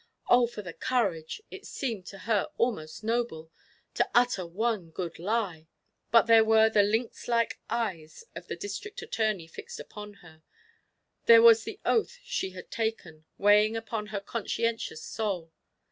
Oh, for the courage it seemed to her almost noble! to utter one good lie! But there were the lynx like eyes of the District Attorney fixed upon her, there was the oath she had taken, weighing upon her conscientious soul....